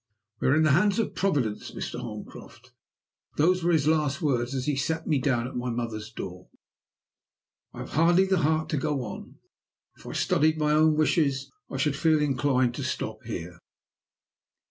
'We are in the hands of Providence, Mr. Holmcroft;' those were his last words as he set me down at my mother's door. "I have hardly the heart to go on. If I studied my own wishes, I should feel inclined to stop here.